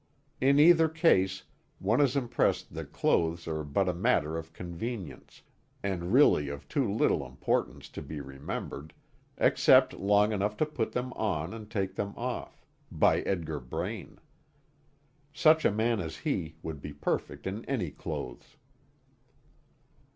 In either case, one is impressed that clothes are but a matter of convenience, and really of too little importance to be remembered except long enough to put them on and take them off by Edgar Braine. Such a man as he would be perfect in any clothes.